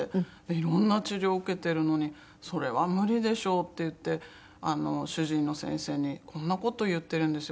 「いろんな治療を受けてるのにそれは無理でしょ」って言って主治医の先生に「こんな事言ってるんですよ